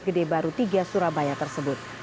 gedebaru tiga surabaya tersebut